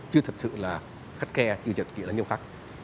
chưa thật sự là khắt khe chưa trật kỷ là nhiều khác